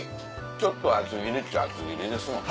ちょっと厚切りっちゃ厚切りですもんね。